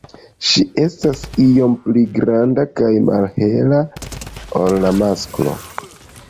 Ŝi estas iom pli granda kaj malhela ol la masklo.